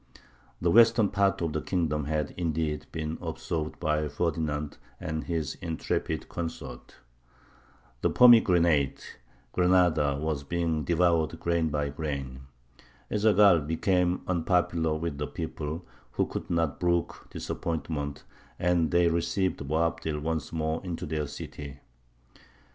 The western part of the kingdom had, indeed, been absorbed by Ferdinand and his intrepid consort. The pomegranate (granada) was being devoured grain by grain. Ez Zaghal became unpopular with the people, who could not brook disappointment, and they received Boabdil once more into their city.